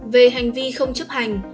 về hành vi không chấp hành